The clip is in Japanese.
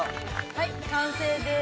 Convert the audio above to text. はい完成です。